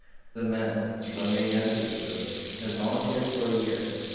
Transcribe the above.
The men, when they entered the service, had volunteered for a year.